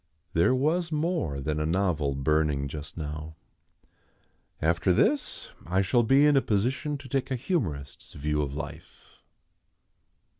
There was more than a novel burning just now. After this I shall be in a position to take a humorist's view of life.